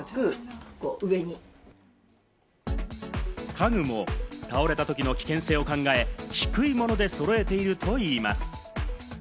家具も倒れた時の危険性を考え、低いものでそろえているといいます。